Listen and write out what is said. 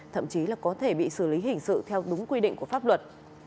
thậm chí là có thể bị xử lý hình sự theo đúng quy định của pháp luật